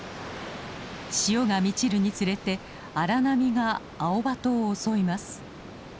潮が満ちるにつれて荒波がアオバトを襲います。